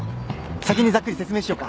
先にざっくり説明しようか。